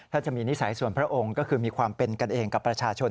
ถ้าจะมีนิสัยส่วนพระองค์ก็คือมีความเป็นกันเองกับประชาชน